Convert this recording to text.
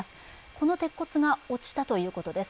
この鉄骨が落ちたということです。